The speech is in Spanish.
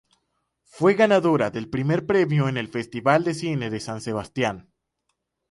Fue ganadora del primer premio en el Festival de cine de San Sebastián.